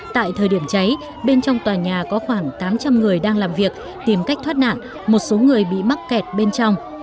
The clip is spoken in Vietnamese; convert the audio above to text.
tại thời điểm cháy bên trong tòa nhà có khoảng tám trăm linh người đang làm việc tìm cách thoát nạn một số người bị mắc kẹt bên trong